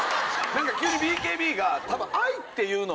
急にＢＫＢが「多分」。